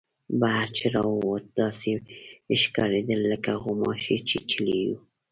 بهر چې را ووتو داسې ښکارېدل لکه غوماشې چیچلي یو.